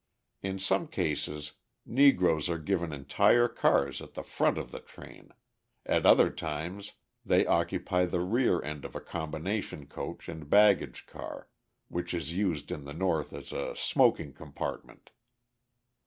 In some cases Negroes are given entire cars at the front of the train, at other times they occupy the rear end of a combination coach and baggage car, which is used in the North as a smoking compartment.